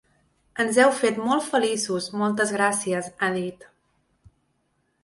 “Ens heu fet molt feliços, moltes gràcies”, ha dit.